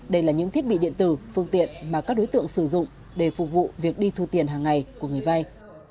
đây là những thiết bị điện tử phương tiện mà các đối tượng sử dụng để phục vụ việc đi thu tiền hàng ngày của người vay